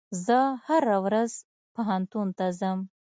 زه هره ورځ پوهنتون ته ځم.